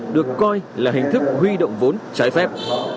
được coi là hình thức huy động vốn trái phép